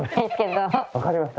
何か分かりました？